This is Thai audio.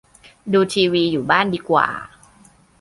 ดูทีวีอยู่บ้านดีกว่า